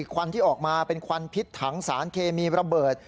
ควันที่ออกมาเป็นควันพิษถังสารเคมีระเบิด